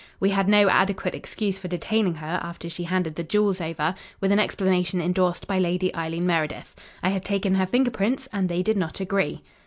We had no adequate excuse for detaining her after she handed the jewels over, with an explanation endorsed by Lady Eileen Meredith. I had taken her finger prints, and they did not agree.